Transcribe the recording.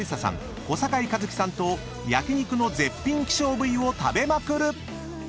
小堺一機さんと焼肉の絶品希少部位を食べまくる！］